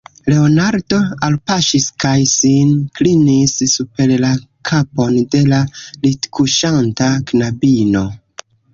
Leonardo alpaŝis kaj sin klinis super la kapon de la litkuŝanta knabino.